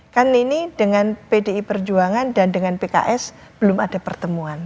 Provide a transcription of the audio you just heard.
kan ini dengan pdi perjuangan dan dengan pks belum ada pertemuan